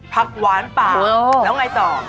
ผักหวานป่าแล้วไงต่อ